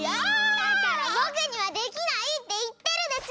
だからぼくにはできないっていってるでしょ！